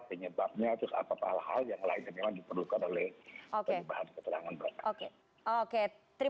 penyebabnya terus apa apa hal hal yang lain yang diperlukan oleh oke oke terima kasih